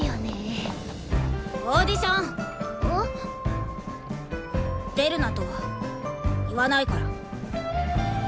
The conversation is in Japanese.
オーディション出るなとは言わないから。